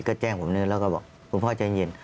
ก็แจ้งผมด้วยแล้วก็บอกคุณพ่อใจเย็น